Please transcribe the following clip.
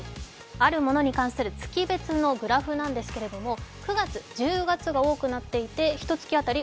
あるものに関する月別のグラフなんですけど９月、１０月が多くなっていてひとつき当たり